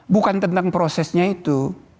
bukan tentang prosesnya itu